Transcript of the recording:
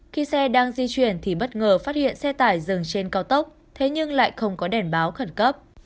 khi xe đang di chuyển thì bất ngờ phát hiện xe tải dừng trên cao tốc thế nhưng lại không có đèn báo khẩn cấp